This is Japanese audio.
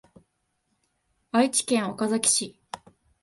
愛知県岡崎市